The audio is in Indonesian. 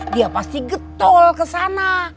dia pasti getol kesana